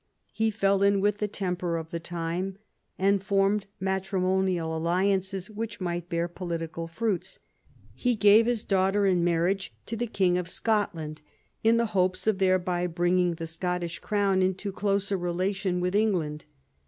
He fell in with the temper of the time, and formed matrimonial alliances which ..might bear political fruits. He gave his daughter in marriage to the King of Scotland, in the hopes of thereby bringing the Scottish Crown into closer relation with England.